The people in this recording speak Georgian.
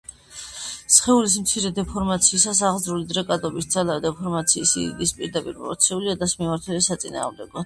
სხეულის მცირე დეფორმაციისას აღძრული დრეკადობის ძალა დეფორმაციის სიდიდის პირდაპირპროპორციულია და მიმართულია საწინააღმდეგოდ.